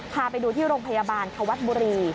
พาไปดูที่โรงพยาบาลเขาวัดบุรี